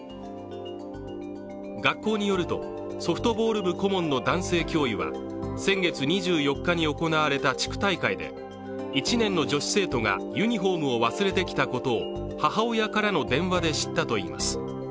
学校によるとソフトボール部顧問の男性教諭は先月２４日に行われた地区大会で１年の女子生徒がユニフォームを忘れてきたことを母親からの電話で知ったといいます。